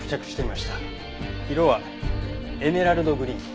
色はエメラルドグリーン。